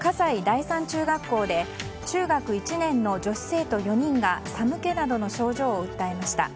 第三中学校で中学１年の女子生徒４人が寒気などの症状を訴えました。